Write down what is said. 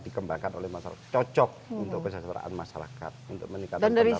dikembangkan oleh masyarakat cocok untuk kesejahteraan masyarakat untuk meningkatkan pendapatan